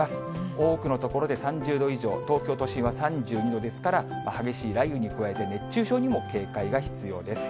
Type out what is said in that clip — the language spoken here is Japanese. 多くの所で３０度以上、東京都心は３２度ですから、激しい雷雨に加えて、熱中症にも警戒が必要です。